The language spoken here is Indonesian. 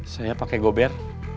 saya pakai gober